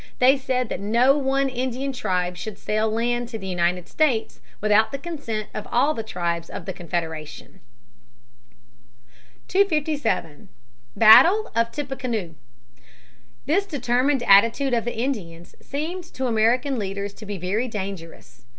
They said that no one Indian tribe should sell land to the United States without the consent of all the tribes of the Confederation. [Sidenote: Battle of Tippecanoe, 1811.] 257. Battle of Tippecanoe. This determined attitude of the Indians seemed to the American leaders to be very dangerous.